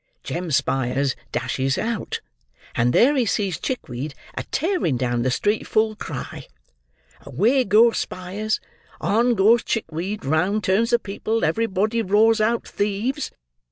Jem Spyers dashes out; and there he sees Chickweed, a tearing down the street full cry. Away goes Spyers; on goes Chickweed; round turns the people; everybody roars out, 'Thieves!